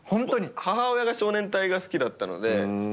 母親が少年隊が好きだったので。